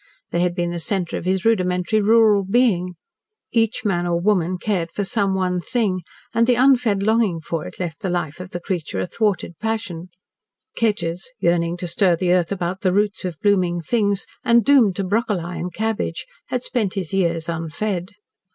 They had been the centre of his rudimentary rural being. Each man or woman cared for some one thing, and the unfed longing for it left the life of the creature a thwarted passion. Kedgers, yearning to stir the earth about the roots of blooming things, and doomed to broccoli and cabbage, had spent his years unfed.